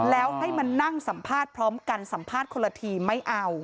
แล้วให้มานั่งสัมภาษณ์พร้อมกันสัมภาษณ์คนละทีไม่เอา